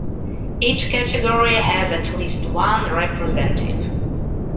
Each category has at least one representative.